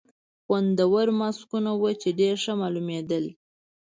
خوندور ماسکونه وو، چې ډېر ښه معلومېدل.